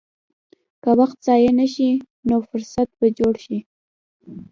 که وخت ضایع نه شي، نو فرصت به جوړ شي.